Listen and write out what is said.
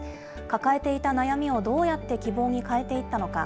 抱えていた悩みをどうやって希望に変えていったのか。